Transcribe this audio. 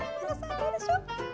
どうでしょう？